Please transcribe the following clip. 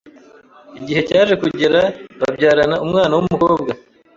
Igihe cyaje kugera babyarana umwana w’umukobwa,